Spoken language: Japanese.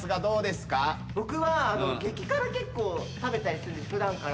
僕は激辛結構食べたりするんで普段から。